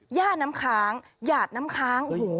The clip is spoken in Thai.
ย่าน้ำค้างหยาดน้ำค้าง